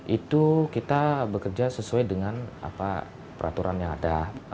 itu kita bekerja sesuai dengan peraturan yang ada